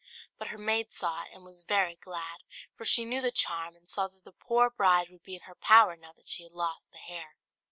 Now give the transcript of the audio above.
But her maid saw it, and was very glad, for she knew the charm, and saw that the poor bride would be in her power now that she had lost the hair.